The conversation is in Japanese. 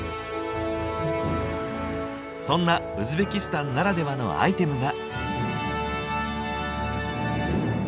そんなウズベキスタンならではのアイテムが。